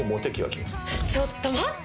ちょっと待って！